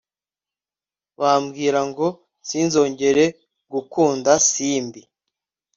bambwira ngo sinzongere gukunda simbi